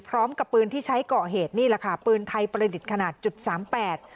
พร้อมกับปืนที่ใช้ก่อเหตุนี่แหละค่ะปืนไทยประดิษฐ์ขนาดจุดสามแปด